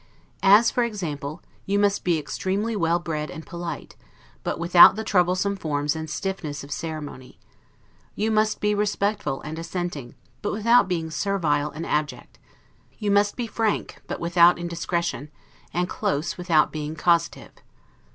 As, for example, you must be extremely well bred and polite, but without the troublesome forms and stiffness of ceremony. You must be respectful and assenting, but without being servile and abject. You must be frank, but without indiscretion; and close, without being costive.